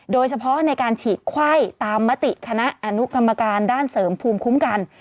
โดยเฉพาะในการฉีดไข้ตามมติคณะอนุกรรมการด้านเสริมภูมิคุ้มกัน